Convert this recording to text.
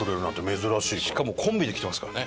しかもコンビで来てますからね。